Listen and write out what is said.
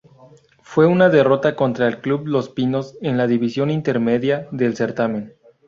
Fue una derrota contra el club Los Pinos en la división intermedia del certamen.